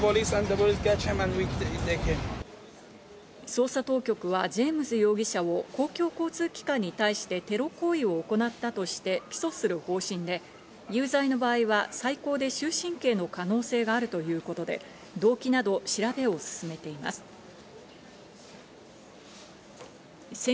捜査当局はジェームズ容疑者を公共交通機関に対してテロ行為を行ったとして起訴する方針で、有罪の場合は最高で終身刑の可能性があるということで動機など調べを進めています。